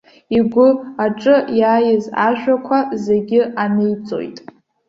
Игәы аҿы иаиз ажәақәа зегьы аниҵоит.